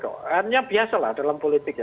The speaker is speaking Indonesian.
artinya biasa dalam politik